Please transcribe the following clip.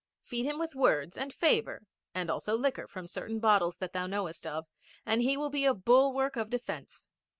Feed him with words and favour, and also liquor from certain bottles that thou knowest of, and he will be a bulwark of defence.